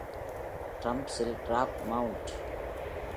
டிரம்ஸில் ராப் மவுண்ட்.